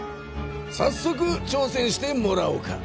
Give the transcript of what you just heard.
さっそく挑戦してもらおうか。